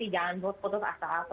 jangan buat putus asa tetap berusaha